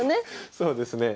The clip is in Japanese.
そうですね。